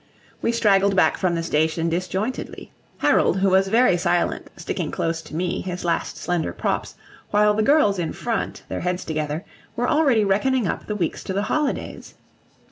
We straggled back from the station disjointedly; Harold, who was very silent, sticking close to me, his last slender props while the girls in front, their heads together, were already reckoning up the weeks to the holidays.